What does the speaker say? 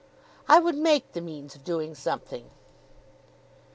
"I would make the means of doing something."